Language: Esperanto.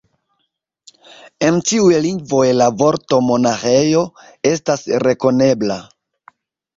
En ĉiuj lingvoj la vorto monaĥejo estas rekonebla.